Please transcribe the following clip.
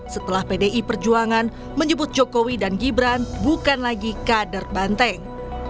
setelah pdi perjuangan menyebut jokowi dan gibran bukan lagi kader banteng